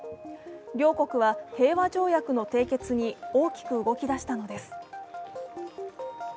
両国は平和条約の締結に大きく動きだしたのです。